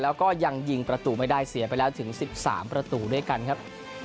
แล้วก็ยังยิงประตูไม่ได้เสียไปแล้วถึง๑๓ประตูด้วยกันครับ